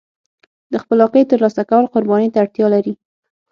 د خپلواکۍ ترلاسه کول قربانۍ ته اړتیا لري.